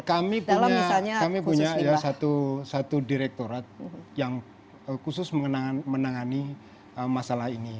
kami punya satu direkturat yang khusus menangani masalah ini